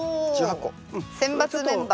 選抜メンバー。